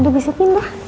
udah bisa pindah